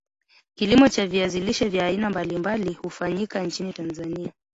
kilimo cha viazi lishe vya aina mbali mbali hufanyika nchini Tanzania